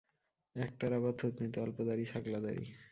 একটার আবার থুতনিতে অল্প দাড়ি, ছাগলা দাড়ি।